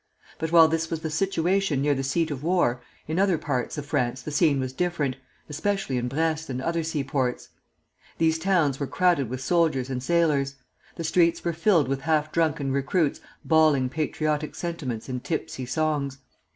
But while this was the situation near the seat of war, in other parts of France the scene was different, especially in Brest and other seaports. These towns were crowded with soldiers and sailors; the streets were filled with half drunken recruits bawling patriotic sentiments in tipsy songs.